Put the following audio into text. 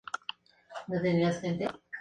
Suelen ser interpretadas por bajos o barítonos.